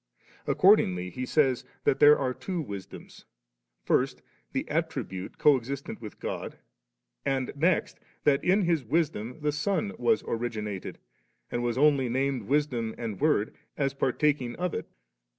Accordingly, he says that there are two wisdoms, first, the attribute co existent with God, and next, that in this wisdom the Son was originated, and was only named Wisdom and Word as partaking of it.